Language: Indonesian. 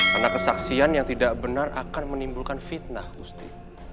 karena kesaksian yang tidak benar akan menimbulkan fitnah gusti